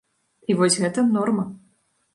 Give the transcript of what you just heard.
І вось гэта норма.